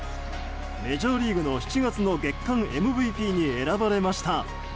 メジャーリーグの７月の月間ＭＶＰに選ばれました。